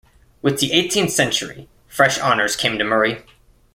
With the eighteenth century fresh honours came to Muri.